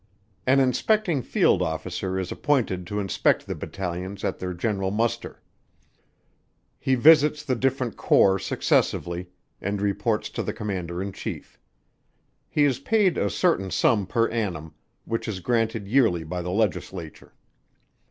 An Inspecting Field Officer is appointed to inspect the battalions at their general muster. He visits the different corps successively, and reports to the Commander in Chief. He is paid a certain sum per annum, which is granted yearly by the Legislature.